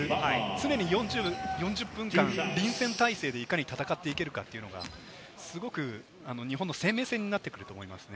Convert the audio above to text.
常に４０分間、臨戦態勢で戦っていけるかというのが、すごく日本の生命線になってくると思いますね。